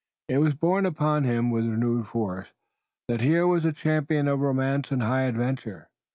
It was borne upon him with renewed force that here was a champion of romance and high adventure.